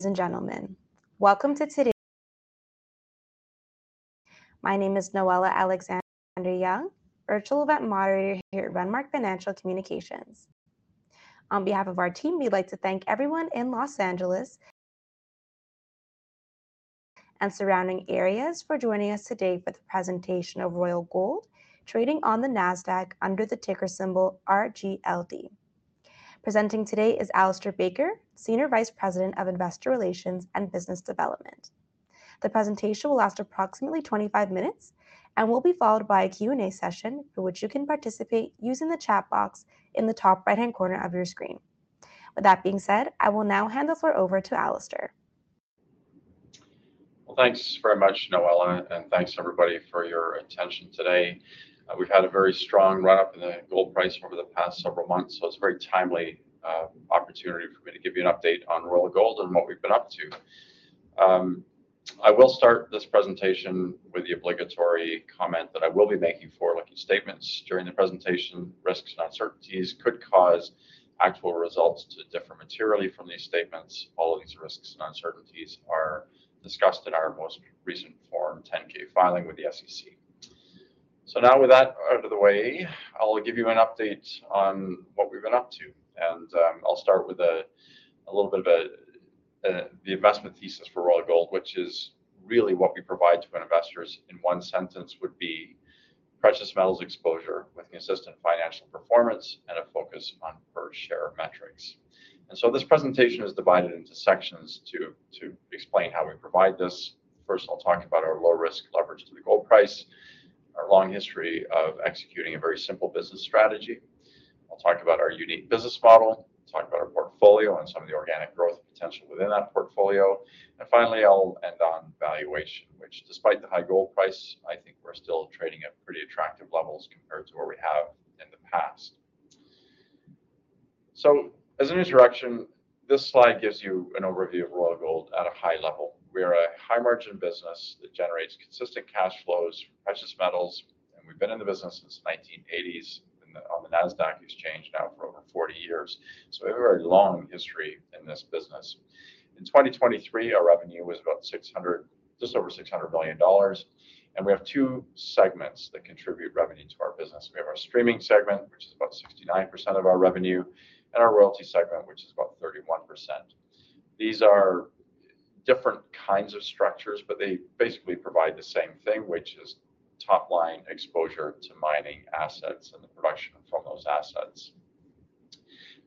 And gentlemen, welcome to today. My name is Noella Alexander Young, virtual event moderator here at Renmark Financial Communications. On behalf of our team, we'd like to thank everyone in Los Angeles and surrounding areas for joining us today for the presentation of Royal Gold, trading on the Nasdaq under the ticker symbol RGLD. Presenting today is Alistair Baker, Senior Vice President of Investor Relations and Business Development. The presentation will last approximately twenty-five minutes and will be followed by a Q&A session, for which you can participate using the chat box in the top right-hand corner of your screen. With that being said, I will now hand the floor over to Alistair. Well, thanks very much, Noella, and thanks everybody for your attention today. We've had a very strong run-up in the gold price over the past several months, so it's a very timely opportunity for me to give you an update on Royal Gold and what we've been up to. I will start this presentation with the obligatory comment that I will be making forward-looking statements during the presentation. Risks and uncertainties could cause actual results to differ materially from these statements. All of these risks and uncertainties are discussed in our most recent Form 10-K filing with the SEC. So now with that out of the way, I'll give you an update on what we've been up to, and I'll start with a little bit about the investment thesis for Royal Gold, which is really what we provide to investors in one sentence would be, precious metals exposure with consistent financial performance and a focus on per share metrics. So this presentation is divided into sections to explain how we provide this. First, I'll talk about our low-risk leverage to the gold price, our long history of executing a very simple business strategy. I'll talk about our unique business model, talk about our portfolio and some of the organic growth potential within that portfolio. Finally, I'll end on valuation, which despite the high gold price, I think we're still trading at pretty attractive levels compared to where we have in the past. As an introduction, this slide gives you an overview of Royal Gold at a high level. We are a high-margin business that generates consistent cash flows, precious metals, and we've been in the business since the 1980s and on the Nasdaq exchange now for over 40 years. We have a very long history in this business. In 2023, our revenue was just over $600 million, and we have two segments that contribute revenue to our business. We have our streaming segment, which is about 69% of our revenue, and our royalty segment, which is about 31%. These are different kinds of structures, but they basically provide the same thing, which is top-line exposure to mining assets and the production from those assets.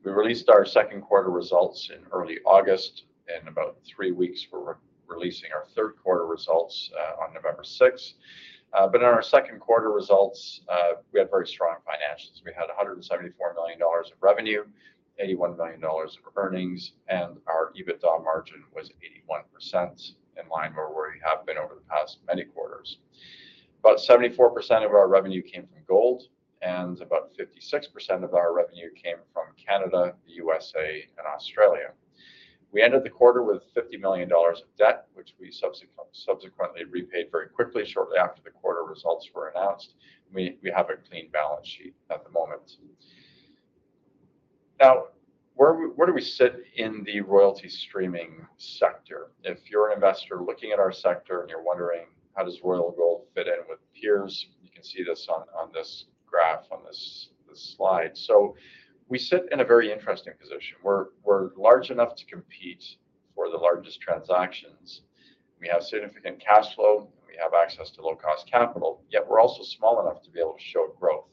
We released our second quarter results in early August, and in about three weeks, we're re-releasing our third quarter results on November sixth. But in our second quarter results, we had very strong financials. We had $174 million of revenue, $81 million of earnings, and our EBITDA margin was 81% in line with where we have been over the past many quarters. About 74% of our revenue came from gold, and about 56% of our revenue came from Canada, USA, and Australia. We ended the quarter with $50 million of debt, which we subsequently repaid very quickly, shortly after the quarter results were announced. We have a clean balance sheet at the moment. Now, where do we sit in the royalty streaming sector? If you're an investor looking at our sector and you're wondering, "How does Royal Gold fit in with peers?" You can see this on this graph, on this slide. So we sit in a very interesting position. We're large enough to compete for the largest transactions. We have significant cash flow, and we have access to low-cost capital, yet we're also small enough to be able to show growth.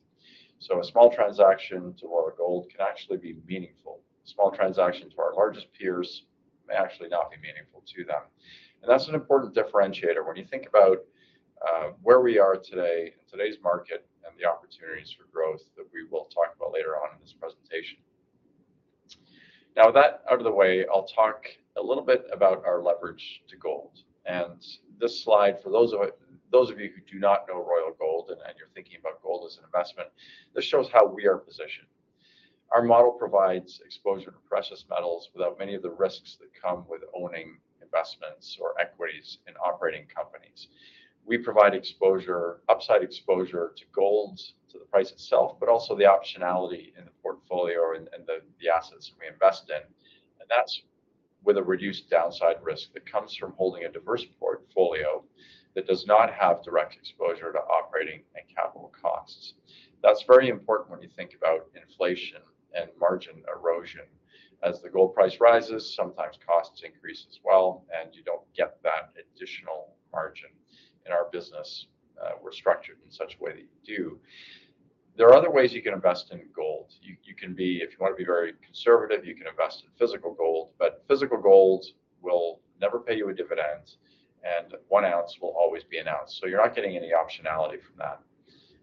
So a small transaction to Royal Gold can actually be meaningful. Small transactions to our largest peers may actually not be meaningful to them, and that's an important differentiator when you think about where we are today in today's market and the opportunities for growth that we will talk about later on in this presentation. Now, with that out of the way, I'll talk a little bit about our leverage to gold. This slide, for those of you who do not know Royal Gold, and you're thinking about gold as an investment, this shows how we are positioned. Our model provides exposure to precious metals without many of the risks that come with owning investments or equities in operating companies. We provide exposure, upside exposure to gold, to the price itself, but also the optionality in the portfolio and the assets we invest in. That's with a reduced downside risk that comes from holding a diverse portfolio that does not have direct exposure to operating and capital costs. That's very important when you think about inflation and margin erosion. As the gold price rises, sometimes costs increase as well, and you don't get that additional margin. In our business, we're structured in such a way that you do. There are other ways you can invest in gold. If you want to be very conservative, you can invest in physical gold, but physical gold will never pay you a dividend, and one ounce will always be an ounce, so you're not getting any optionality from that.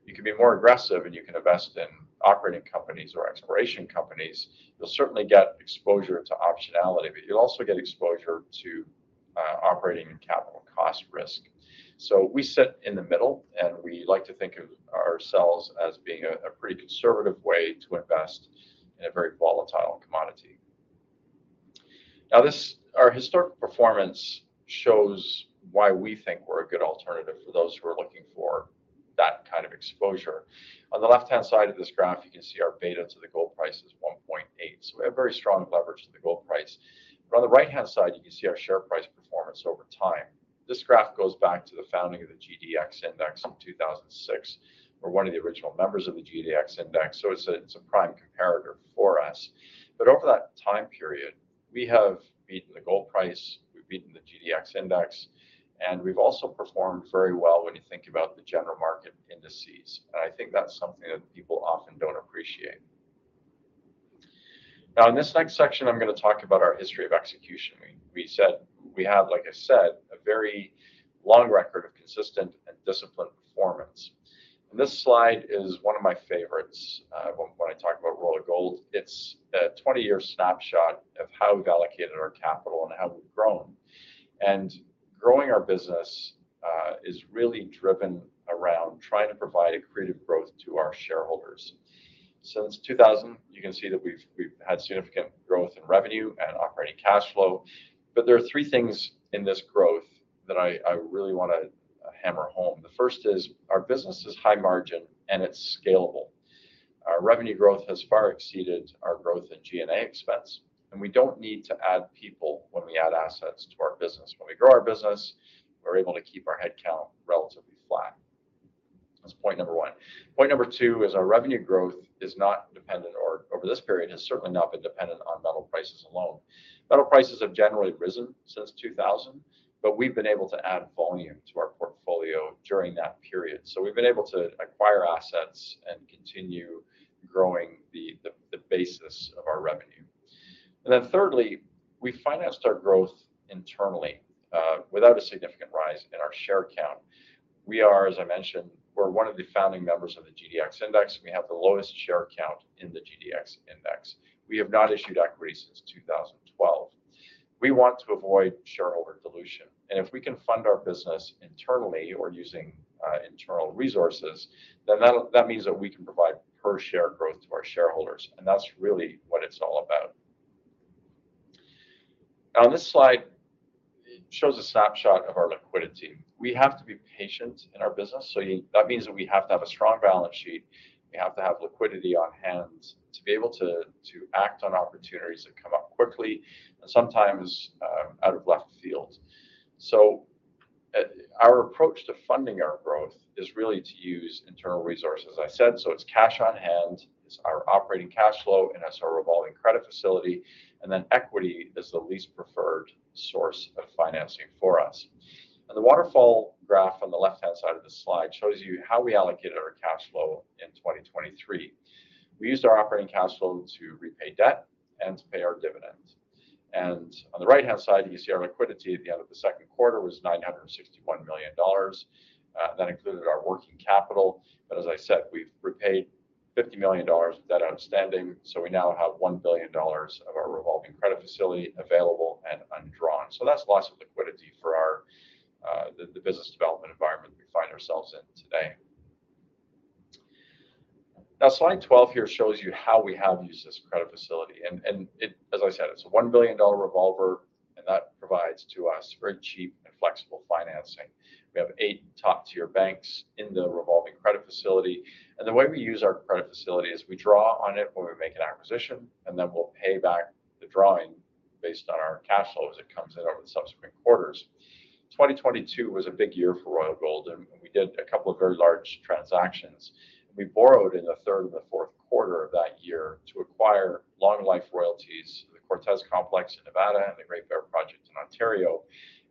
You can be more aggressive, and you can invest in operating companies or exploration companies. You'll certainly get exposure to optionality, but you'll also get exposure to operating and capital cost risk. So we sit in the middle, and we like to think of ourselves as being a pretty conservative way to invest in a very volatile commodity. Now, our historic performance shows why we think we're a good alternative for those who are looking for that kind of exposure. On the left-hand side of this graph, you can see our beta to the gold price is 1.8, so we have very strong leverage to the gold price. But on the right-hand side, you can see our share price performance over time. This graph goes back to the founding of the GDX index in 2006. We're one of the original members of the GDX index, so it's a prime comparator for us. But over that time period, we have beaten the gold price, we've beaten the GDX index, and we've also performed very well when you think about the general market indices. And I think that's something that people often don't appreciate. Now, in this next section, I'm gonna talk about our history of execution. We said we have, like I said, a very long record of consistent and disciplined performance. This slide is one of my favorites, when I talk about Royal Gold. It's a twenty-year snapshot of how we've allocated our capital and how we've grown. Growing our business is really driven around trying to provide accretive growth to our shareholders. Since 2000, you can see that we've had significant growth in revenue and operating cash flow, but there are three things in this growth that I really wanna hammer home. The first is, our business is high margin and it's scalable. Our revenue growth has far exceeded our growth in G&A expense, and we don't need to add people when we add assets to our business. When we grow our business, we're able to keep our headcount relatively flat. That's point number one. Point number two is our revenue growth is not dependent, or over this period, has certainly not been dependent on metal prices alone. Metal prices have generally risen since 2000, but we've been able to add volume to our portfolio during that period. So we've been able to acquire assets and continue growing the basis of our revenue. And then thirdly, we financed our growth internally without a significant rise in our share count. We are, as I mentioned, we're one of the founding members of the GDX index, and we have the lowest share count in the GDX index. We have not issued equity since 2012. We want to avoid shareholder dilution, and if we can fund our business internally or using internal resources, then that means that we can provide per share growth to our shareholders, and that's really what it's all about. Now, this slide shows a snapshot of our liquidity. We have to be patient in our business, so that means that we have to have a strong balance sheet. We have to have liquidity on hand to be able to act on opportunities that come up quickly and sometimes out of left field. Our approach to funding our growth is really to use internal resources, I said, so it's cash on hand, it's our operating cash flow, and it's our revolving credit facility, and then equity is the least preferred source of financing for us. The waterfall graph on the left-hand side of this slide shows you how we allocated our cash flow in 2023. We used our operating cash flow to repay debt and to pay our dividends. On the right-hand side, you can see our liquidity at the end of the second quarter was $961 million. That included our working capital, but as I said, we've repaid $50 million of debt outstanding, so we now have $1 billion of our revolving credit facility available and undrawn. That's lots of liquidity for our business development environment we find ourselves in today. Now, slide twelve here shows you how we have used this credit facility, and it, as I said, it's a $1 billion revolver, and that provides to us very cheap and flexible financing. We have eight top-tier banks in the revolving credit facility, and the way we use our credit facility is we draw on it when we make an acquisition, and then we'll pay back the drawing based on our cash flow as it comes in over the subsequent quarters. 2022 was a big year for Royal Gold, and we did a couple of very large transactions. We borrowed in the third and the fourth quarter of that year to acquire long-life royalties, the Cortez Complex in Nevada, and the Great Bear project in Ontario,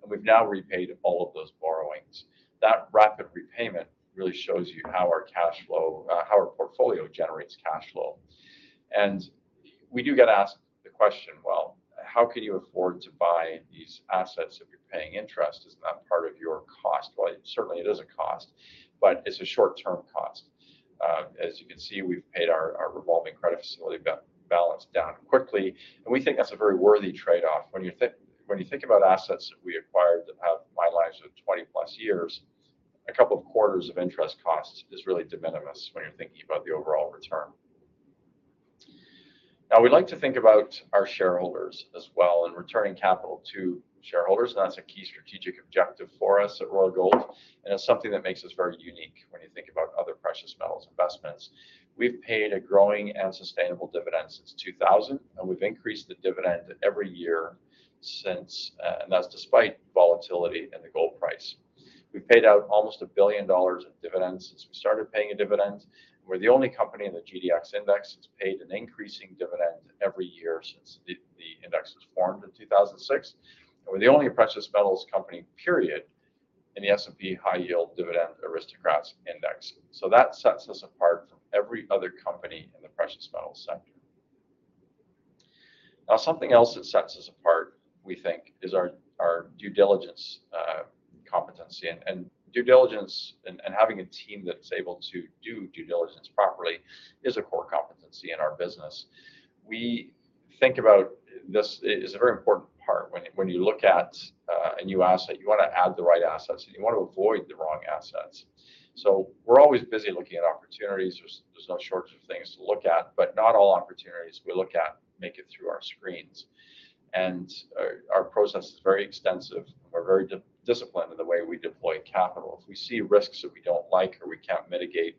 and we've now repaid all of those borrowings. That rapid repayment really shows you how our cash flow, how our portfolio generates cash flow. We do get asked the question, "Well, how can you afford to buy these assets if you're paying interest? Isn't that part of your cost?" Certainly, it is a cost, but it's a short-term cost. As you can see, we've paid our revolving credit facility balanced down quickly, and we think that's a very worthy trade-off. When you think about assets that we acquired that have lifelines of twenty-plus years, a couple of quarters of interest costs is really de minimis when you're thinking about the overall return. Now, we like to think about our shareholders as well and returning capital to shareholders, and that's a key strategic objective for us at Royal Gold, and it's something that makes us very unique when you think about other precious metals investments. We've paid a growing and sustainable dividend since 2000, and we've increased the dividend every year since, and that's despite volatility in the gold price. We've paid out almost $1 billion in dividends since we started paying a dividend. We're the only company in the GDX index that's paid an increasing dividend every year since the index was formed in 2006, and we're the only precious metals company, period, in the S&P High Yield Dividend Aristocrats Index. So that sets us apart from every other company in the precious metals sector. Now, something else that sets us apart, we think, is our due diligence competency. And due diligence and having a team that's able to do due diligence properly is a core competency in our business. We think about this. It is a very important part when you look at and you ask that you wanna add the right assets, and you wanna avoid the wrong assets. So we're always busy looking at opportunities. There's no shortage of things to look at, but not all opportunities we look at make it through our screens. Our process is very extensive. We're very disciplined in the way we deploy capital. If we see risks that we don't like or we can't mitigate,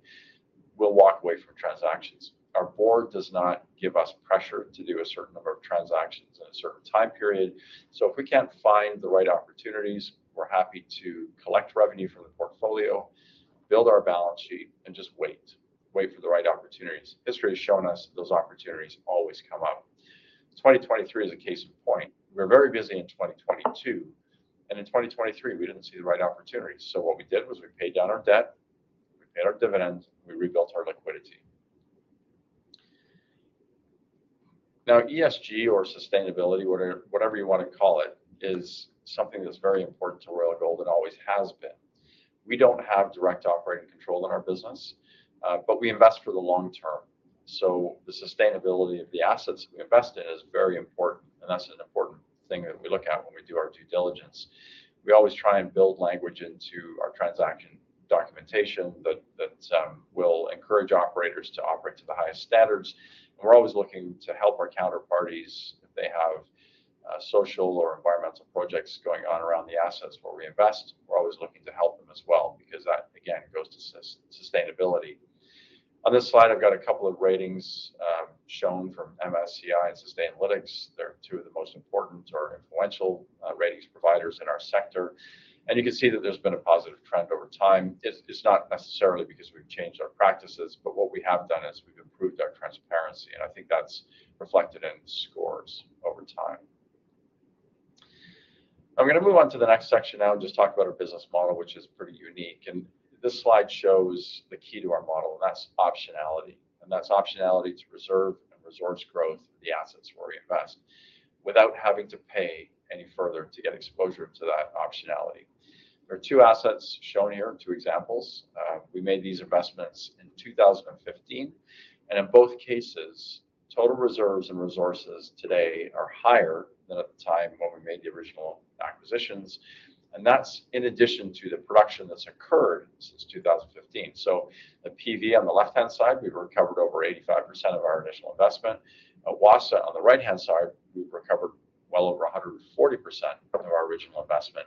we'll walk away from transactions. Our board does not give us pressure to do a certain number of transactions in a certain time period. So if we can't find the right opportunities, we're happy to collect revenue from the portfolio, build our balance sheet, and just wait for the right opportunities. History has shown us those opportunities always come up. 2023 is a case in point. We were very busy in 2022, and in 2023, we didn't see the right opportunities. So what we did was we paid down our debt, we paid our dividends, we rebuilt our liquidity. Now, ESG or sustainability, whatever, whatever you want to call it, is something that's very important to Royal Gold and always has been. We don't have direct operating control in our business, but we invest for the long term. So the sustainability of the assets we invest in is very important, and that's an important thing that we look at when we do our due diligence. We always try and build language into our transaction documentation that will encourage operators to operate to the highest standards. And we're always looking to help our counterparties if they have social or environmental projects going on around the assets where we invest. We're always looking to help them as well because that, again, goes to sustainability. On this slide, I've got a couple of ratings shown from MSCI and Sustainalytics. They're two of the most important or influential ratings providers in our sector, and you can see that there's been a positive trend over time. It's not necessarily because we've changed our practices, but what we have done is we've improved our transparency, and I think that's reflected in the scores over time. I'm gonna move on to the next section now and just talk about our business model, which is pretty unique, and this slide shows the key to our model, and that's optionality, and that's optionality to reserve and resource growth of the assets where we invest without having to pay any further to get exposure to that optionality. There are two assets shown here, two examples. We made these investments in 2015, and in both cases, total reserves and resources today are higher than at the time when we made the original acquisitions, and that's in addition to the production that's occurred since 2015. So at PV, on the left-hand side, we've recovered over 85% of our initial investment. At Wassa, on the right-hand side, we've recovered well over 140% of our original investment,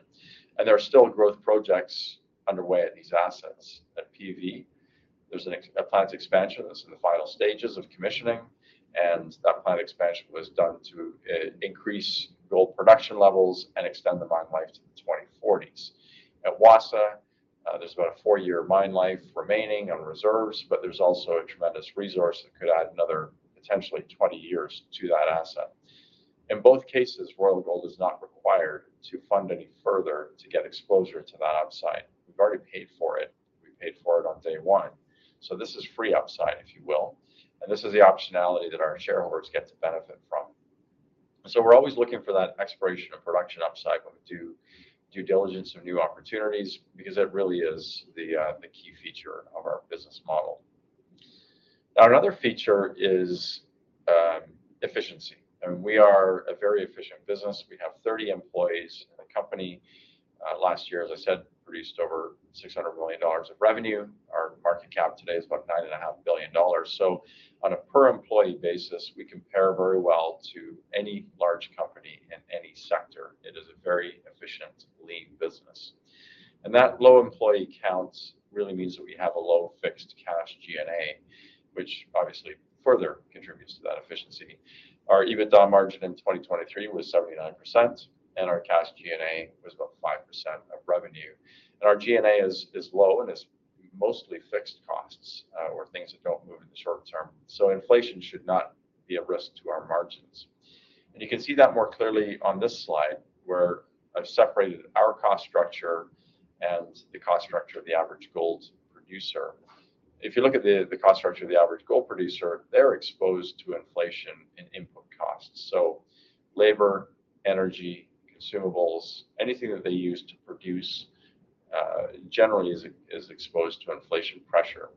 and there are still growth projects underway at these assets. At PV, there's a plant expansion that's in the final stages of commissioning, and that plant expansion was done to increase gold production levels and extend the mine life to the twenty-forties. At Wassa, there's about a four-year mine life remaining on reserves, but there's also a tremendous resource that could add another potentially twenty years to that asset. In both cases, Royal Gold is not required to fund any further to get exposure to that upside. We've already paid for it. We paid for it on day one, so this is free upside, if you will, and this is the optionality that our shareholders get to benefit from. So we're always looking for that exploration and production upside when we do due diligence of new opportunities, because it really is the key feature of our business model. Now, another feature is efficiency, and we are a very efficient business. We have thirty employees. The company last year, as I said, produced over $600 million of revenue. Our market cap today is about $9.5 billion. So on a per employee basis, we compare very well to any large company in any sector. It is a very efficient, lean business. And that low employee count really means that we have a low fixed cash G&A, which obviously further contributes to that efficiency. Our EBITDA margin in 2023 was 79%, and our cash G&A was about 5% of revenue. And our G&A is low and is mostly fixed costs, or things that don't move in the short term, so inflation should not be a risk to our margins. And you can see that more clearly on this slide, where I've separated our cost structure and the cost structure of the average gold producer. If you look at the cost structure of the average gold producer, they're exposed to inflation and input costs. So labor, energy, consumables, anything that they use to produce, generally is exposed to inflation pressure.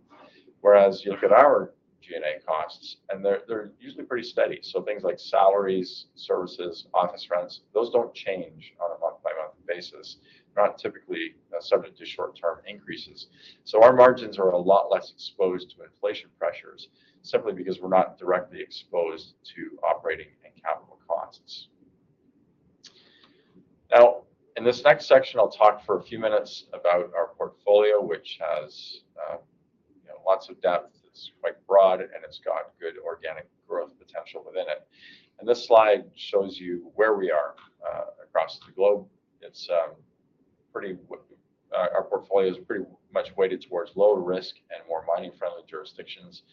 Whereas you look at our G&A costs, and they're usually pretty steady. So things like salaries, services, office rents, those don't change on a month-by-month basis, not typically, subject to short-term increases. So our margins are a lot less exposed to inflation pressures simply because we're not directly exposed to operating and capital costs. Now, in this next section, I'll talk for a few minutes about our portfolio, which has, you know, lots of depth, it's quite broad, and it's got good organic growth potential within it. And this slide shows you where we are, across the globe. Our portfolio is pretty much weighted towards lower risk and more mining-friendly jurisdictions.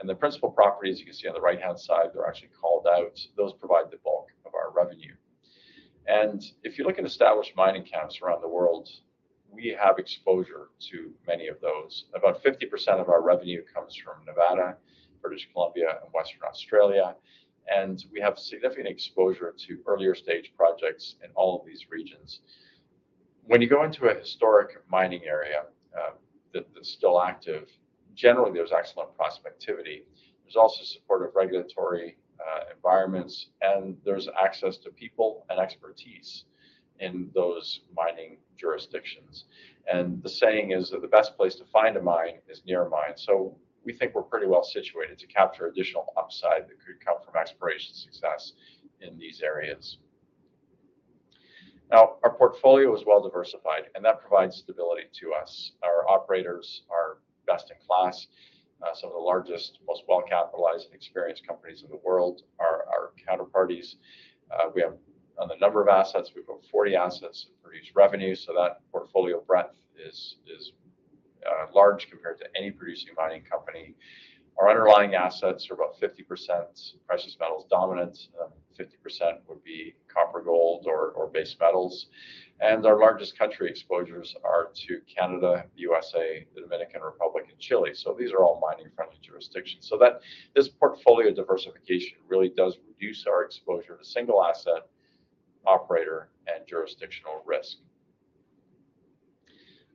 And the principal properties, you can see on the right-hand side, they're actually called out. Those provide the bulk of our revenue. And if you look at established mining camps around the world, we have exposure to many of those. About 50% of our revenue comes from Nevada, British Columbia, and Western Australia, and we have significant exposure to earlier-stage projects in all of these regions. When you go into a historic mining area that's still active, generally, there's excellent prospectivity. There's also supportive regulatory environments, and there's access to people and expertise in those mining jurisdictions. And the saying is that the best place to find a mine is near a mine. So we think we're pretty well situated to capture additional upside that could come from exploration success in these areas. Now, our portfolio is well diversified, and that provides stability to us. Our operators are best in class, some of the largest, most well-capitalized and experienced companies in the world are our counterparties. We have, on the number of assets, we've got 40 assets for each revenue, so that portfolio breadth is large compared to any producing mining company. Our underlying assets are about 50% precious metals dominant, 50% would be copper, gold, or base metals. And our largest country exposures are to Canada, USA, the Dominican Republic, and Chile. So these are all mining-friendly jurisdictions. So that this portfolio diversification really does reduce our exposure to single asset operator at jurisdictional risk.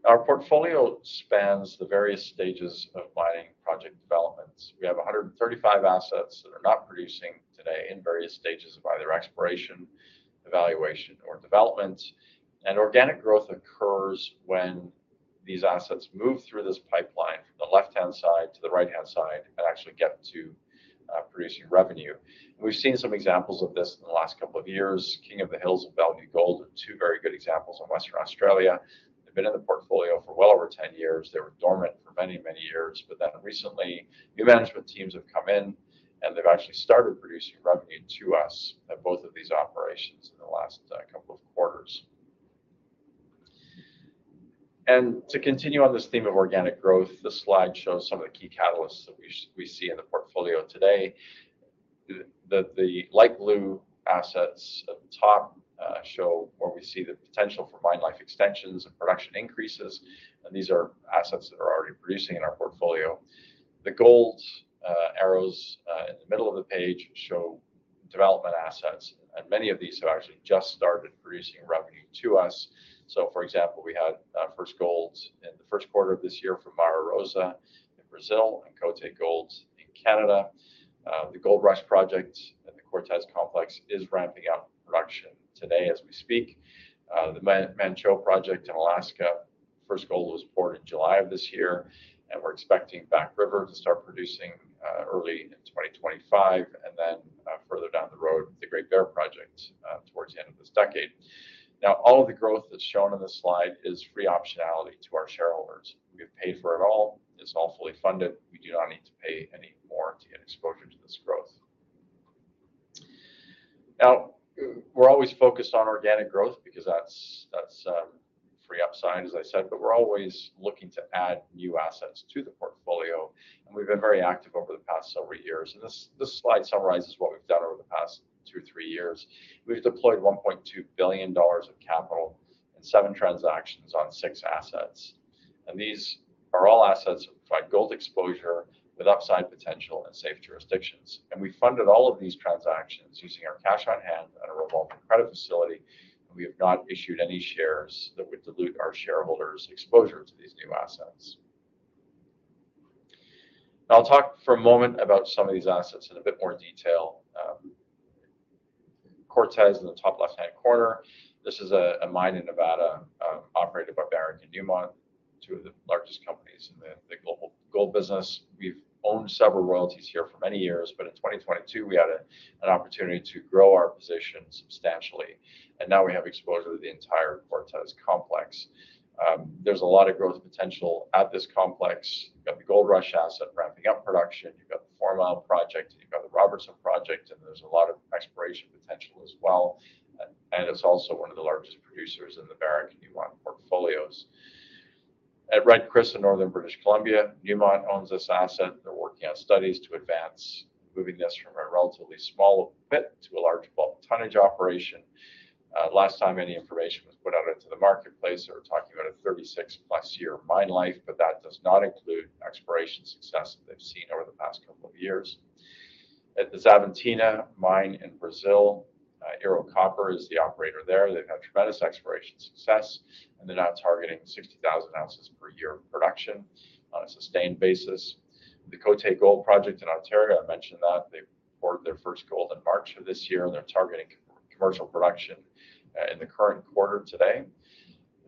Our portfolio spans the various stages of mining project developments. We have 135 assets that are not producing today in various stages of either exploration, evaluation, or development. And organic growth occurs when these assets move through this pipeline, from the left-hand side to the right-hand side, and actually get to producing revenue. We've seen some examples of this in the last couple of years. King of the Hills and Bellevue Gold are two very good examples in Western Australia. They've been in the portfolio for well over 10 years. They were dormant for many, many years, but then recently, new management teams have come in, and they've actually started producing revenue to us at both of these operations in the last couple of quarters. And to continue on this theme of organic growth, this slide shows some of the key catalysts that we see in the portfolio today. The light blue assets at the top show where we see the potential for mine life extensions and production increases, and these are assets that are already producing in our portfolio. The gold arrows in the middle of the page show development assets, and many of these have actually just started producing revenue to us. So, for example, we had first gold in the first quarter of this year from Mara Rosa in Brazil and Coté Gold in Canada. The Goldrush Project at the Cortez Complex is ramping up production today as we speak. The Manh Choh Project in Alaska, first gold was poured in July of this year, and we're expecting Back River to start producing early in 2025, and then further down the road, the Great Bear Project towards the end of this decade. Now, all of the growth that's shown on this slide is free optionality to our shareholders. We have paid for it all. It's all fully funded. We do not need to pay any more to get exposure to this growth. Now, we're always focused on organic growth because that's free upside, as I said, but we're always looking to add new assets to the portfolio, and we've been very active over the past several years, and this slide summarizes what we've done over the past two or three years. We've deployed $1.2 billion of capital in seven transactions on six assets, and these are all assets that provide gold exposure with upside potential in safe jurisdictions. We funded all of these transactions using our cash on hand and a revolving credit facility, and we have not issued any shares that would dilute our shareholders' exposure to these new assets. I'll talk for a moment about some of these assets in a bit more detail. Cortez in the top left-hand corner, this is a mine in Nevada, operated by Barrick and Newmont, two of the largest companies in the global gold business. We've owned several royalties here for many years, but in 2022, we had an opportunity to grow our position substantially, and now we have exposure to the entire Cortez Complex. There's a lot of growth potential at this complex. You've got the Goldrush asset ramping up production, you've got the Fourmile project, you've got the Robertson project, and there's a lot of exploration potential as well. And it's also one of the largest producers in the Barrick and Newmont portfolios. At Red Chris in Northern British Columbia, Newmont owns this asset. They're working on studies to advance, moving this from a relatively small pit to a large bulk tonnage operation. Last time any information was put out into the marketplace, they were talking about a 36-plus year mine life, but that does not include exploration success that they've seen over the past couple of years. At the Xavantina mine in Brazil, Ero Copper is the operator there. They've had tremendous exploration success, and they're now targeting 60,000 ounces per year of production on a sustained basis. The Coté Gold Project in Ontario, I mentioned that. They poured their first gold in March of this year, and they're targeting commercial production in the current quarter today.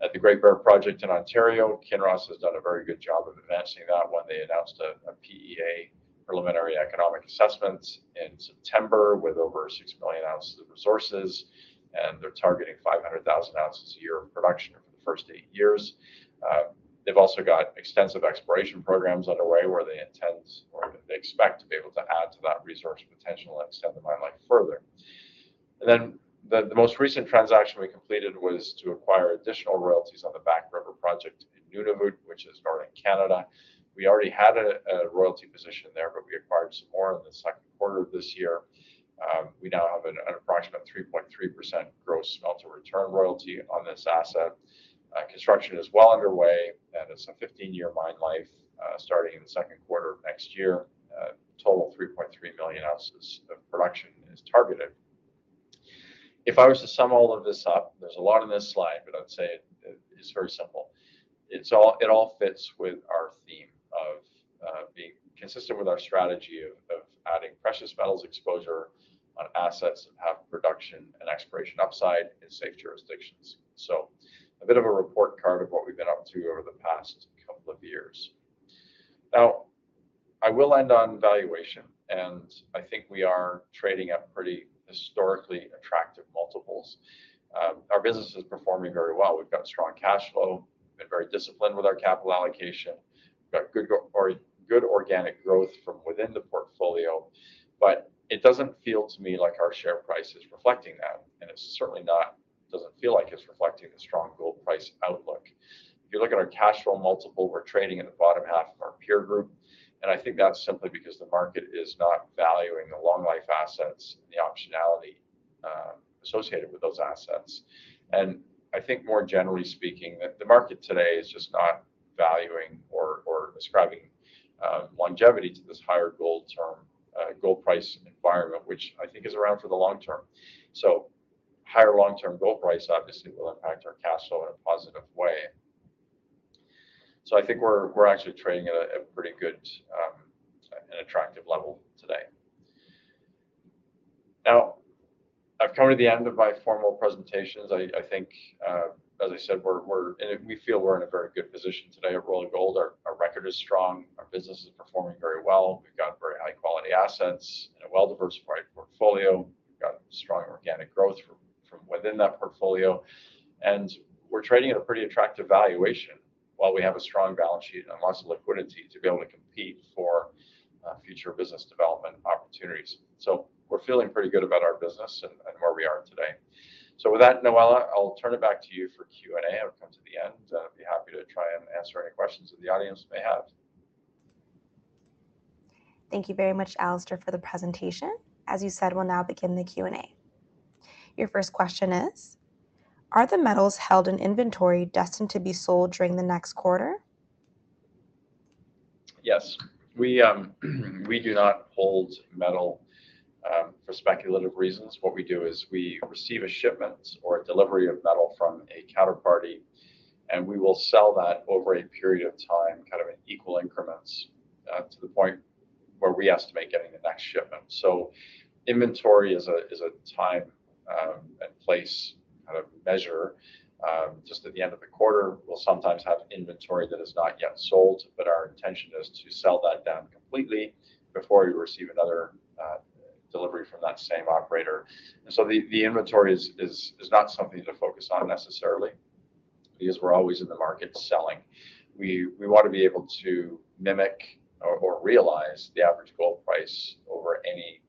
At the Great Bear Project in Ontario, Kinross has done a very good job of advancing that one. They announced a PEA, Preliminary Economic Assessment, in September, with over 6 million ounces of resources, and they're targeting 500,000 ounces a year of production over the first eight years. They've also got extensive exploration programs underway, where they intend or they expect to be able to add to that resource potential and extend the mine life further. And then the most recent transaction we completed was to acquire additional royalties on the Back River project in Nunavut, which is northern Canada. We already had a royalty position there, but we acquired some more in the second quarter of this year. We now have an approximate 3.3% Gross Smelter Return royalty on this asset. Construction is well underway, and it's a fifteen-year mine life, starting in the second quarter of next year. A total of 3.3 million ounces of production is targeted. If I was to sum all of this up, there's a lot on this slide, but I'd say it is very simple. It all fits with our theme of being consistent with our strategy of adding precious metals exposure on assets that have production and exploration upside in safe jurisdictions. So a bit of a report card of what we've been up to over the past couple of years. I will end on valuation, and I think we are trading at pretty historically attractive multiples. Our business is performing very well. We've got strong cash flow and very disciplined with our capital allocation. We've got good organic growth from within the portfolio, but it doesn't feel to me like our share price is reflecting that, and it certainly doesn't feel like it's reflecting the strong gold price outlook. If you look at our cash flow multiple, we're trading in the bottom half of our peer group, and I think that's simply because the market is not valuing the long life assets and the optionality associated with those assets, and I think more generally speaking, the market today is just not valuing or ascribing longevity to this higher gold term gold price environment, which I think is around for the long term, so higher long-term gold price obviously will impact our cash flow in a positive way, so I think we're actually trading at a pretty good, an attractive level today. Now, I've come to the end of my formal presentations. I think, as I said, we're and we feel we're in a very good position today at Royal Gold. Our record is strong, our business is performing very well. We've got very high-quality assets and a well-diversified portfolio. We've got strong organic growth from within that portfolio, and we're trading at a pretty attractive valuation while we have a strong balance sheet and lots of liquidity to be able to compete for future business development opportunities. So we're feeling pretty good about our business and where we are today. So with that, Noella, I'll turn it back to you for Q&A. We've come to the end, and I'd be happy to try and answer any questions that the audience may have. Thank you very much, Alistair, for the presentation. As you said, we'll now begin the Q&A. Your first question is: Are the metals held in inventory destined to be sold during the next quarter? Yes. We do not hold metal for speculative reasons. What we do is we receive a shipment or a delivery of metal from a counterparty, and we will sell that over a period of time, kind of in equal increments, to the point where we estimate getting the next shipment, so inventory is a time and place kind of measure. Just at the end of the quarter, we'll sometimes have inventory that is not yet sold, but our intention is to sell that down completely before we receive another delivery from that same operator, and so the inventory is not something to focus on necessarily because we're always in the market selling. We want to be able to mimic or realize the average gold price over any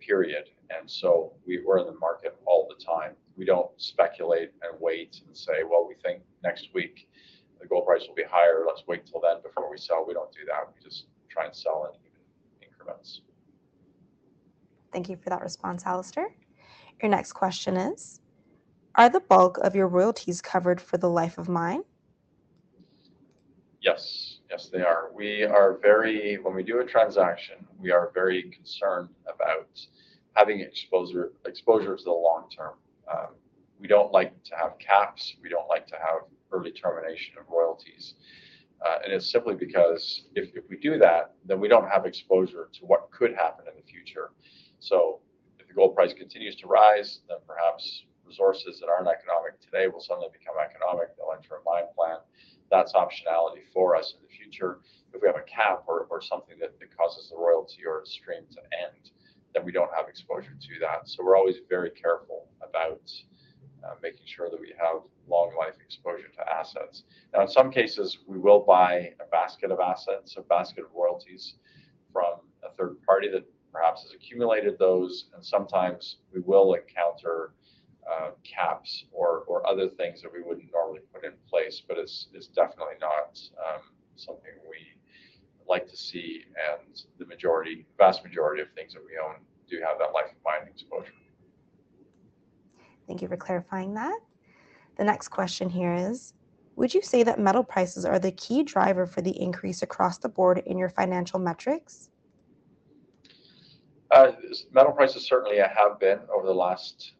period, and so we're in the market all the time. We don't speculate and wait and say, "Well, we think next week the gold price will be higher. Let's wait until then before we sell." We don't do that. We just try and sell in even increments. Thank you for that response, Alistair. Your next question is: Are the bulk of your royalties covered for the life of mine? Yes. Yes, they are. We are very concerned about having exposure to the long term when we do a transaction. We don't like to have caps. We don't like to have early termination of royalties. And it's simply because if we do that, then we don't have exposure to what could happen in the future. So if the gold price continues to rise, then perhaps resources that aren't economic today will suddenly become economic. They'll enter a mine plan. That's optionality for us in the future. If we have a cap or something that causes the royalty or a stream to end, then we don't have exposure to that. So we're always very careful about making sure that we have long life exposure to assets. Now, in some cases, we will buy a basket of assets, a basket of royalties from a third party that perhaps has accumulated those, and sometimes we will encounter caps or other things that we wouldn't normally put in place, but it's definitely not something we like to see. And the majority, vast majority of things that we own do have that life-of-mine exposure. Thank you for clarifying that. The next question here is: Would you say that metal prices are the key driver for the increase across the board in your financial metrics? Metal prices certainly have been over the last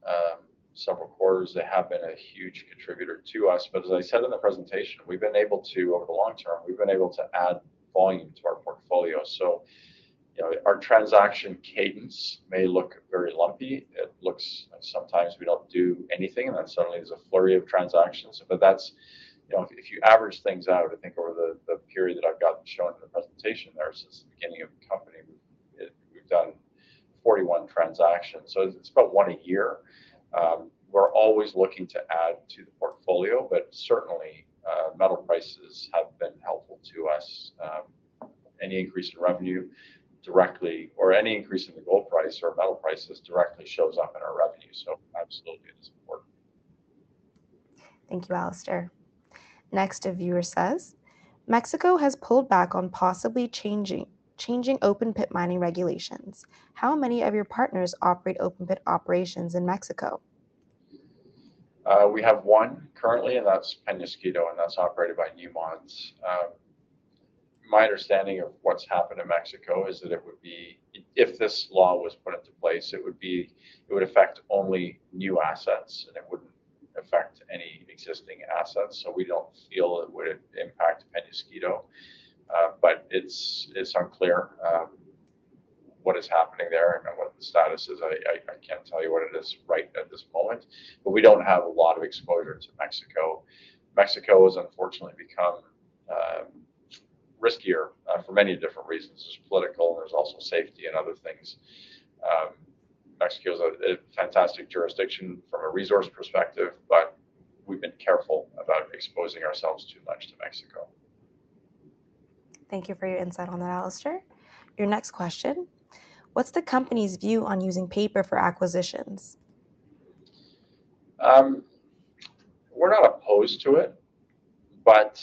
several quarters. They have been a huge contributor to us, but as I said in the presentation, we've been able to, over the long term, we've been able to add volume to our portfolio. So, you know, our transaction cadence may look very lumpy. It looks sometimes we don't do anything, and then suddenly, there's a flurry of transactions. But that's... You know, if you average things out, I think over the period that I've got shown in the presentation there, since the beginning of the company, we've done 41 transactions, so it's about one a year. We're always looking to add to the portfolio, but certainly, metal prices have been helpful to us. Any increase in revenue directly or any increase in the gold price or metal prices directly shows up in our revenue, so absolutely, it is important. Thank you, Alistair. Next, a viewer says: Mexico has pulled back on possibly changing open-pit mining regulations. How many of your partners operate open-pit operations in Mexico? We have one currently, and that's Peñasquito, and that's operated by Newmont. My understanding of what's happened in Mexico is that it would be, if this law was put into place, it would affect only new assets, and it wouldn't affect any existing assets. So we don't feel it would impact Peñasquito, but it's unclear. What is happening there and what the status is, I can't tell you what it is right at this point, but we don't have a lot of exposure to Mexico. Mexico has unfortunately become riskier for many different reasons. There's political, there's also safety and other things. Mexico's a fantastic jurisdiction from a resource perspective, but we've been careful about exposing ourselves too much to Mexico. Thank you for your insight on that, Alistair. Your next question: What's the company's view on using paper for acquisitions? We're not opposed to it, but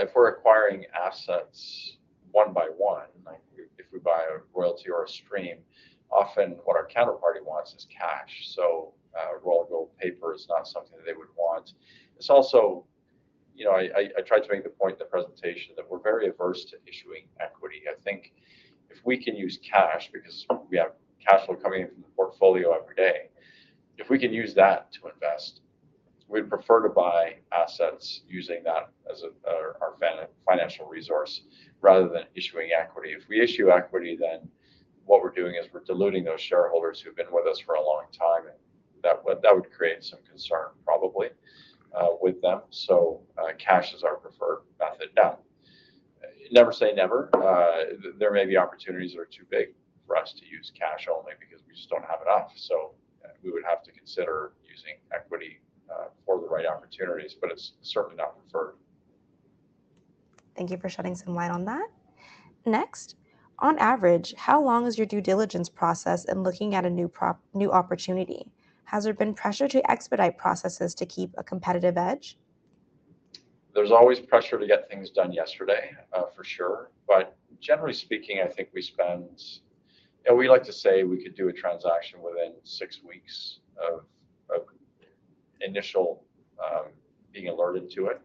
if we're acquiring assets one by one, like if we buy a royalty or a stream, often what our counterparty wants is cash. So, Royal Gold paper is not something that they would want. It's also, you know... I tried to make the point in the presentation that we're very averse to issuing equity. I think if we can use cash because we have cash flow coming in from the portfolio every day, if we can use that to invest, we'd prefer to buy assets using that as a financial resource rather than issuing equity. If we issue equity, then what we're doing is we're diluting those shareholders who've been with us for a long time, and that would create some concern probably with them. So, cash is our preferred method. Now, never say never. There may be opportunities that are too big for us to use cash only because we just don't have enough, so we would have to consider using equity, for the right opportunities, but it's certainly not preferred. Thank you for shedding some light on that. Next, on average, how long is your due diligence process in looking at a new opportunity? Has there been pressure to expedite processes to keep a competitive edge? There's always pressure to get things done yesterday, for sure, but generally speaking, I think we spend, and we like to say we could do a transaction within six weeks of initial being alerted to it,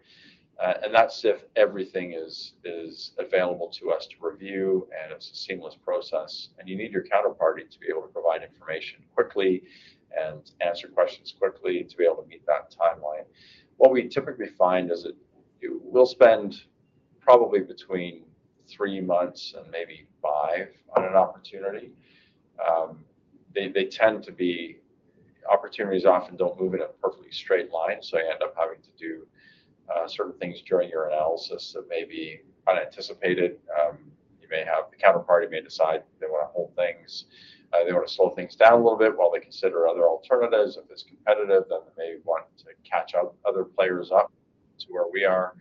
and that's if everything is available to us to review and it's a seamless process, and you need your counterparty to be able to provide information quickly and answer questions quickly to be able to meet that timeline. What we typically find is that we'll spend probably between three months and maybe five on an opportunity. They tend to be. Opportunities often don't move in a perfectly straight line, so you end up having to do certain things during your analysis that may be unanticipated. The counterparty may decide they wanna hold things, they wanna slow things down a little bit while they consider other alternatives. If it's competitive, then they may want to catch up other players up to where we are,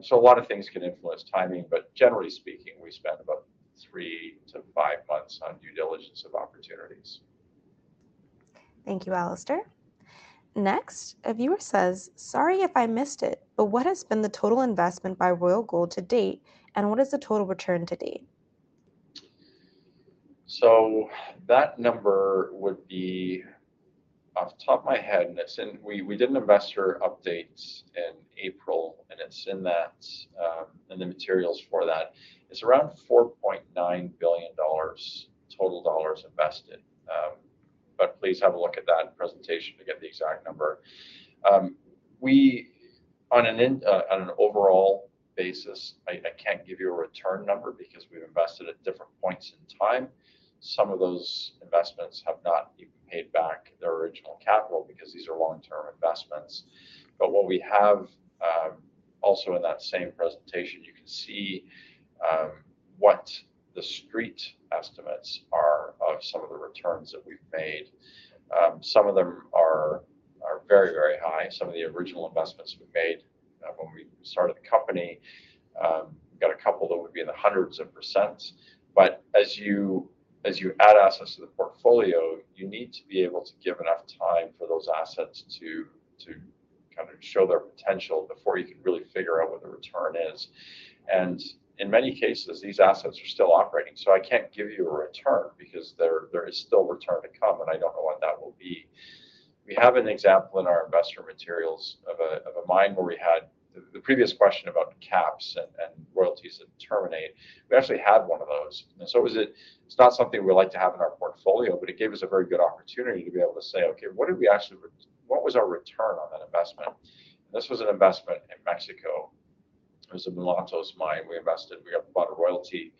so a lot of things can influence timing, but generally speaking, we spend about three to five months on due diligence of opportunities. Thank you, Alistair. Next, a viewer says: "Sorry if I missed it, but what has been the total investment by Royal Gold to date, and what is the total return to date? That number would be, off the top of my head, and it's in... We did an investor update in April, and it's in that, in the materials for that. It's around $4.9 billion total dollars invested. But please have a look at that presentation to get the exact number. We, on an overall basis, I can't give you a return number because we've invested at different points in time. Some of those investments have not even paid back their original capital because these are long-term investments. But what we have, also in that same presentation, you can see, what the street estimates are of some of the returns that we've made. Some of them are very, very high. Some of the original investments we made, when we started the company, got a couple that would be in the hundreds of %. But as you add assets to the portfolio, you need to be able to give enough time for those assets to kinda show their potential before you can really figure out what the return is. And in many cases, these assets are still operating, so I can't give you a return because there is still return to come, and I don't know what that will be. We have an example in our investor materials of a mine where we had... The previous question about caps and royalties that terminate, we actually had one of those. And so it was. It's not something we like to have in our portfolio, but it gave us a very good opportunity to be able to say, "Okay, what did we actually what was our return on that investment?" This was an investment in Mexico. It was a Mulatos Mine. We invested. We bought a royalty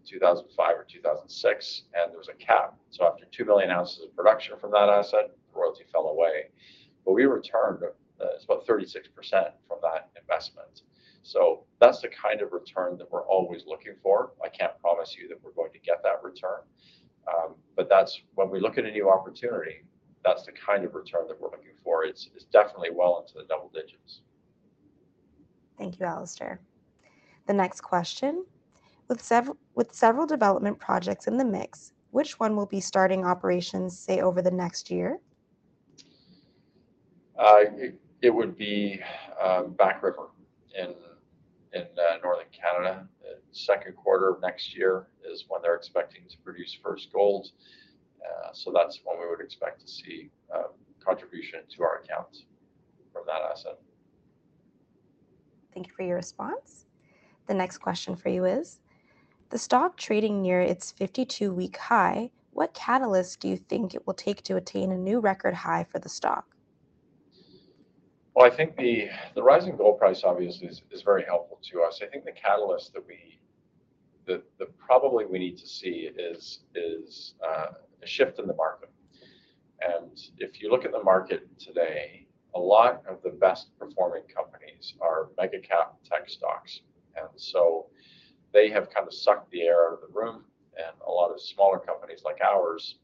in 2005 or 2006, and there was a cap. So after 2 million ounces of production from that asset, the royalty fell away, but we returned about 36% from that investment. So that's the kind of return that we're always looking for. I can't promise you that we're going to get that return, but that's when we look at a new opportunity, that's the kind of return that we're looking for. It's, it's definitely well into the double digits. Thank you, Alistair. The next question: With several development projects in the mix, which one will be starting operations, say, over the next year? It would be Back River in northern Canada. Second quarter of next year is when they're expecting to produce first gold. So that's when we would expect to see contribution to our accounts from that asset. Thank you for your response. The next question for you is: The stock trading near its 52 week high, what catalyst do you think it will take to attain a new record high for the stock? ... Well, I think the rising gold price obviously is very helpful to us. I think the catalyst that we probably need to see is a shift in the market. And if you look at the market today, a lot of the best performing companies are mega cap tech stocks, and so they have kind of sucked the air out of the room. And a lot of smaller companies like ours,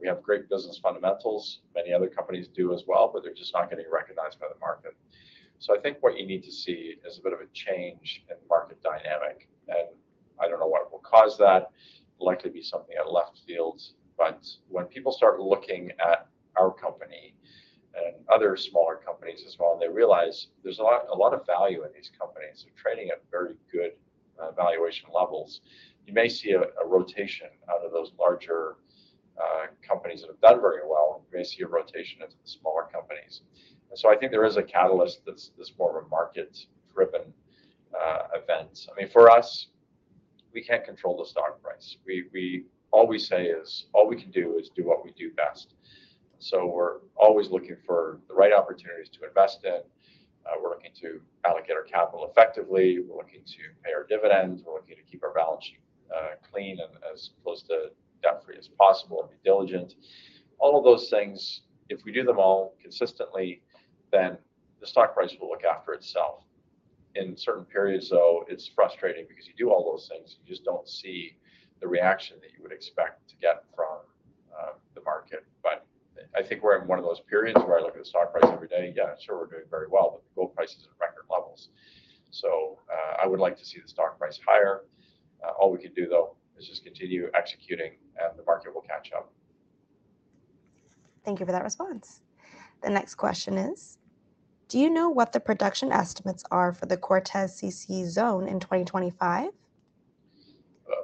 we have great business fundamentals, many other companies do as well, but they're just not getting recognized by the market. So I think what you need to see is a bit of a change in market dynamic, and I don't know what will cause that. Likely be something out of left field. But when people start looking at our company and other smaller companies as well, and they realize there's a lot, a lot of value in these companies and trading at very good valuation levels, you may see a rotation out of those larger companies that have done very well, and you may see a rotation into the smaller companies. So I think there is a catalyst that's more of a market-driven event. I mean, for us, we can't control the stock price. We all we say is, all we can do is do what we do best. So we're always looking for the right opportunities to invest in. We're looking to allocate our capital effectively. We're looking to pay our dividends. We're looking to keep our balance sheet clean and as close to debt-free as possible, and be diligent. All of those things, if we do them all consistently, then the stock price will look after itself. In certain periods, though, it's frustrating because you do all those things, you just don't see the reaction that you would expect to get from the market. But I think we're in one of those periods where I look at the stock price every day. Yeah, sure, we're doing very well, but the gold price is at record levels. So, I would like to see the stock price higher. All we can do, though, is just continue executing, and the market will catch up. Thank you for that response. The next question is: Do you know what the production estimates are for the Cortez CC zone in twenty twenty-five?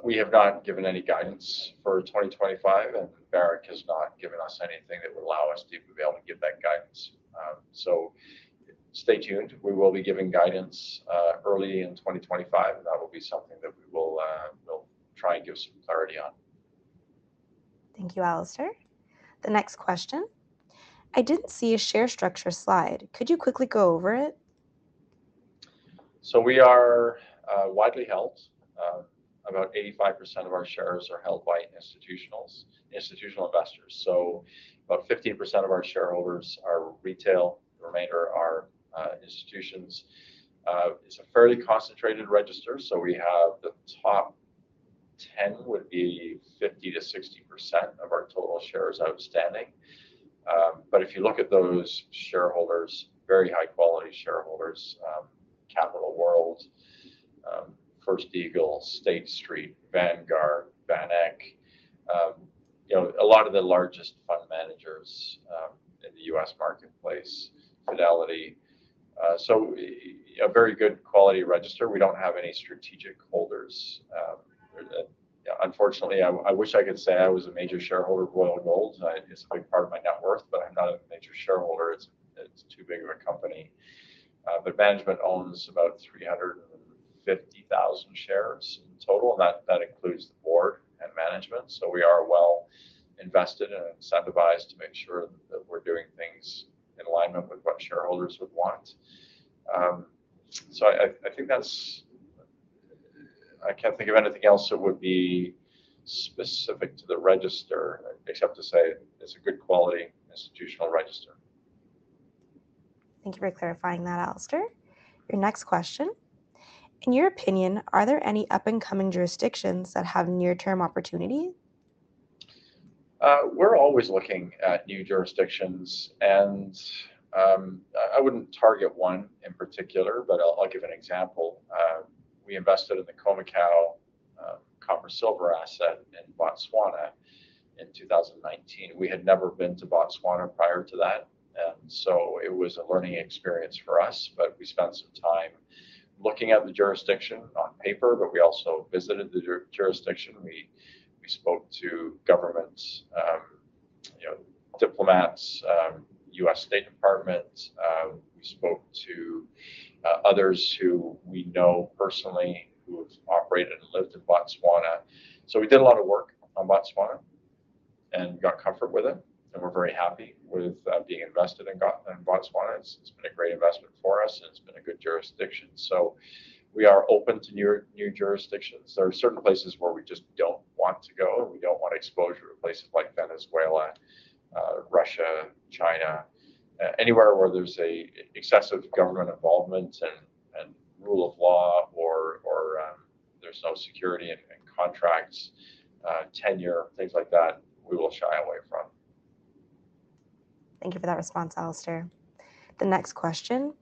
We have not given any guidance for 2025, and Barrick has not given us anything that would allow us to be able to give that guidance. So stay tuned. We will be giving guidance early in 2025, and that will be something that we will, we'll try and give some clarity on. Thank you, Alistair. The next question: I didn't see a share structure slide. Could you quickly go over it? So we are widely held. About 85% of our shares are held by institutionals, institutional investors. About 15% of our shareholders are retail, the remainder are institutions. It's a fairly concentrated register, so we have the top 10 would be 50%-60% of our total shares outstanding. But if you look at those shareholders, very high-quality shareholders, Capital World, First Eagle, State Street, Vanguard, VanEck, you know, a lot of the largest fund managers in the U.S. marketplace, Fidelity. So a very good quality register. We don't have any strategic holders or the... Unfortunately, I wish I could say I was a major shareholder of Royal Gold. It's a big part of my net worth, but I'm not a major shareholder. It's too big of a company. But management owns about 350,000 shares in total, and that includes the board and management. So we are well invested and incentivized to make sure that we're doing things in alignment with what shareholders would want. So I think that's... I can't think of anything else that would be specific to the register, except to say it's a good quality institutional register. Thank you for clarifying that, Alistair. Your next question: In your opinion, are there any up-and-coming jurisdictions that have near-term opportunity? We're always looking at new jurisdictions, and I wouldn't target one in particular, but I'll give an example. We invested in the Khoemacau copper-silver asset in Botswana in 2019. We had never been to Botswana prior to that, so it was a learning experience for us. We spent some time looking at the jurisdiction on paper, but we also visited the jurisdiction. We spoke to governments, you know, diplomats, U.S. State Department. We spoke to others who we know personally who have operated and lived in Botswana. So we did a lot of work on Botswana and got comfort with it, and we're very happy with being invested in Botswana. It's been a great investment for us, and it's been a good jurisdiction. We are open to new jurisdictions. There are certain places where we just don't want to go. We don't want exposure to places like Venezuela, Russia, China, anywhere where there's a excessive government involvement and rule of law or there's no security and contracts, tenure, things like that, we will shy away from. Thank you for that response, Alistair. The next question: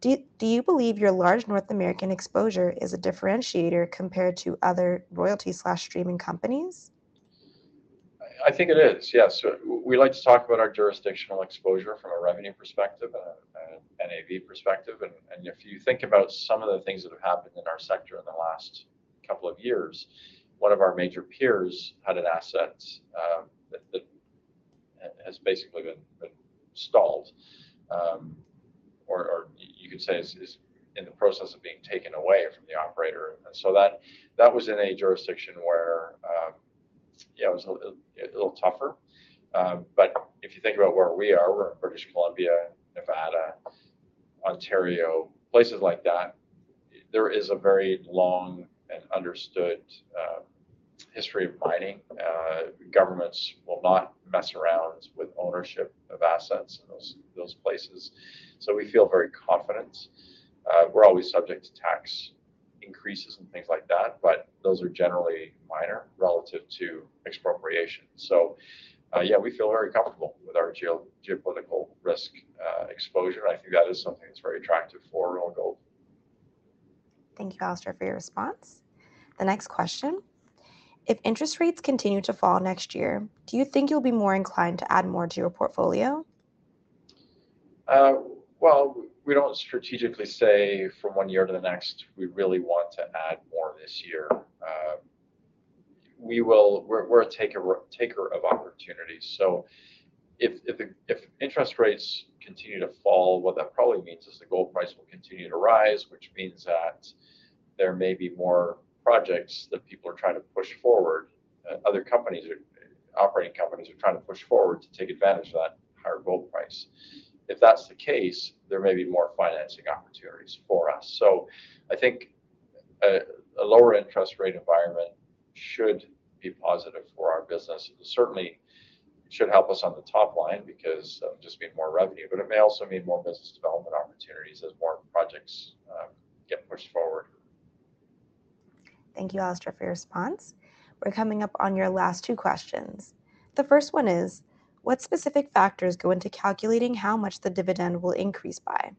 Do you believe your large North American exposure is a differentiator compared to other royalty/streaming companies? I think it is, yes. We like to talk about our jurisdictional exposure from a revenue perspective and a NAV perspective. And if you think about some of the things that have happened in our sector in the last couple of years, one of our major peers had an asset that has basically been stalled or you could say is in the process of being taken away from the operator. So that was in a jurisdiction where yeah, it was a little tougher. But if you think about where we are, we're British Columbia, Nevada, Ontario, places like that. There is a very long and understood history of mining. Governments will not mess around with ownership of assets in those places, so we feel very confident. We're always subject to tax increases and things like that, but those are generally minor relative to expropriation. So, yeah, we feel very comfortable with our geopolitical risk exposure, and I think that is something that's very attractive for Royal Gold. Thank you, Alistair, for your response. The next question: If interest rates continue to fall next year, do you think you'll be more inclined to add more to your portfolio? We don't strategically say from one year to the next, we really want to add more this year. We're a taker of opportunities. So if interest rates continue to fall, what that probably means is the gold price will continue to rise, which means that there may be more projects that people are trying to push forward. Other companies or operating companies are trying to push forward to take advantage of that higher gold price. If that's the case, there may be more financing opportunities for us. So I think a lower interest rate environment should be positive for our business. It certainly should help us on the top line because it'll just mean more revenue, but it may also mean more business development opportunities as more projects get pushed forward. Thank you, Alistair, for your response. We're coming up on your last two questions. The first one is: What specific factors go into calculating how much the dividend will increase by?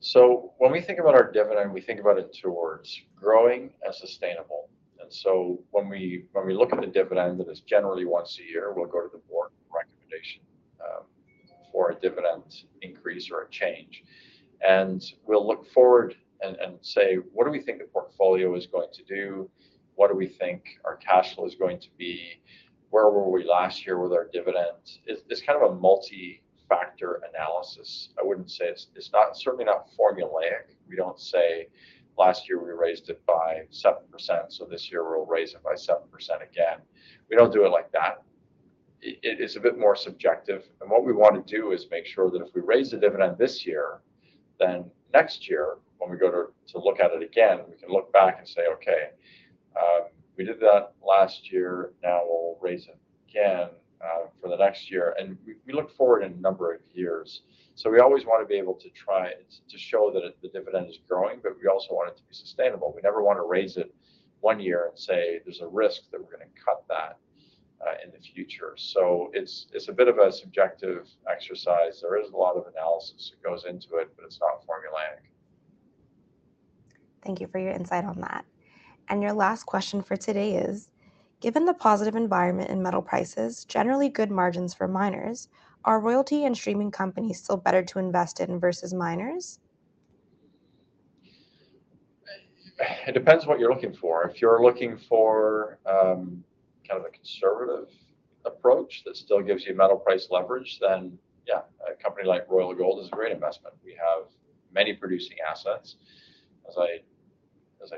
So when we think about our dividend, we think about it toward growing and sustainable. And so when we look at a dividend, and it's generally once a year, we'll go to the board recommendation for a dividend increase or a change, and we'll look forward and say, "What do we think the portfolio is going to do? What do we think our cash flow is going to be? Where were we last year with our dividend?" It's kind of a multi-factor analysis. I wouldn't say it's... It's not, certainly not formulaic. We don't say, "Last year, we raised it by 7%, so this year we'll raise it by 7% again." We don't do it like that. It is a bit more subjective, and what we want to do is make sure that if we raise the dividend this year, then next year, when we go to look at it again, we can look back and say, "Okay, we did that last year. Now we'll raise it again for the next year." And we look forward a number of years. So we always wanna be able to try to show that the dividend is growing, but we also want it to be sustainable. We never wanna raise it one year and say, "There's a risk that we're gonna cut that in the future." So it's a bit of a subjective exercise. There is a lot of analysis that goes into it, but it's not formulaic. Thank you for your insight on that, and your last question for today is: Given the positive environment in metal prices, generally good margins for miners, are royalty and streaming companies still better to invest in versus miners? It depends what you're looking for. If you're looking for kind of a conservative approach that still gives you metal price leverage, then, yeah, a company like Royal Gold is a great investment. We have many producing assets. As I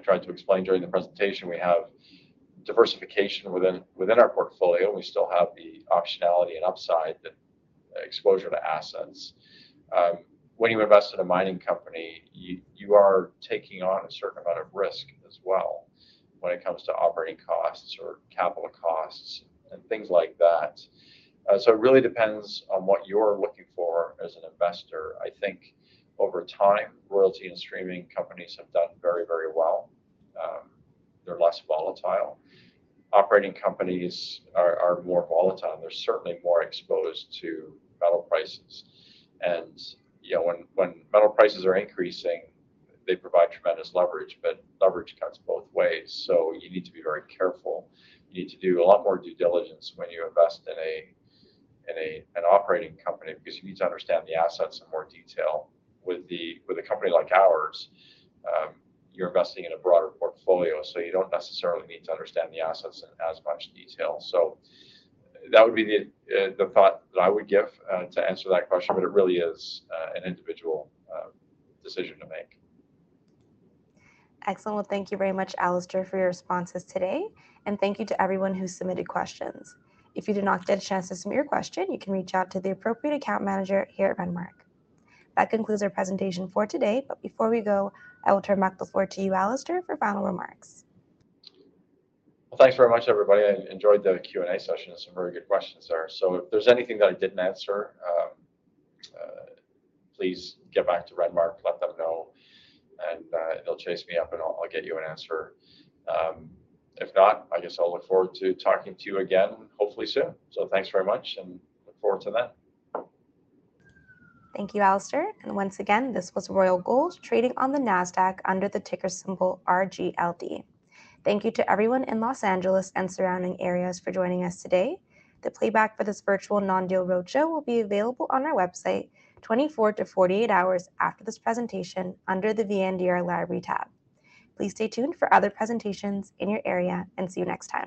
tried to explain during the presentation, we have diversification within our portfolio. We still have the optionality and upside, the exposure to assets. When you invest in a mining company, you are taking on a certain amount of risk as well when it comes to operating costs or capital costs and things like that. So it really depends on what you're looking for as an investor. I think over time, royalty and streaming companies have done very, very well. They're less volatile. Operating companies are more volatile. They're certainly more exposed to metal prices, and, you know, when metal prices are increasing, they provide tremendous leverage, but leverage cuts both ways, so you need to be very careful. You need to do a lot more due diligence when you invest in an operating company because you need to understand the assets in more detail. With a company like ours, you're investing in a broader portfolio, so you don't necessarily need to understand the assets in as much detail. So that would be the thought that I would give to answer that question, but it really is an individual decision to make. Excellent. Thank you very much, Alistair, for your responses today, and thank you to everyone who submitted questions. If you did not get a chance to submit your question, you can reach out to the appropriate account manager here at Renmark. That concludes our presentation for today, but before we go, I will turn the mic back over to you, Alistair, for final remarks. Thanks very much, everybody. I enjoyed the Q&A session. There's some very good questions there. So if there's anything that I didn't answer, please get back to Renmark, let them know, and they'll chase me up, and I'll get you an answer. If not, I guess I'll look forward to talking to you again, hopefully soon. So thanks very much, and look forward to that. Thank you, Alistair, and once again, this was Royal Gold, trading on the Nasdaq under the ticker symbol RGLD. Thank you to everyone in Los Angeles and surrounding areas for joining us today. The playback for this Virtual Non-Deal Roadshow will be available on our website, twenty-four to forty-eight hours after this presentation under the VNDR Library tab. Please stay tuned for other presentations in your area, and see you next time.